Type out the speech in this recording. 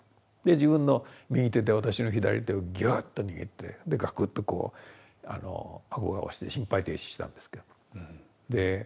自分の右手で私の左手をギューッと握ってガクッとこう顎が落ちて心肺停止したんですけど。